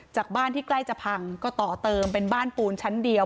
จากบ้านที่ใกล้จะพังก็ต่อเติมเป็นบ้านปูนชั้นเดียว